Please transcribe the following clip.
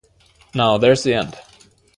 Now, there's the end.